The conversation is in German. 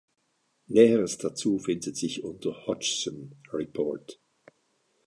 Näheres dazu findet sich unter Hodgson Report.